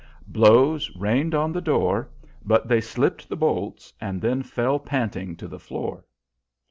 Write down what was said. Blows rained on the door, but they slipped the bolts, and then fell panting to the floor.